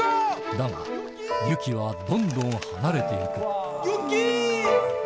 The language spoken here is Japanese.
だが雪はどんどん離れて行く雪！